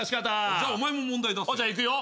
じゃあお前も問題出せよ。いくよ。